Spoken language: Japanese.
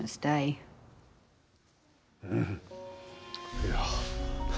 いや。